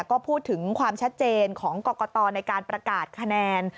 ก็พูดถึงความชัดเจนของกรกตในการประกาศคะแนน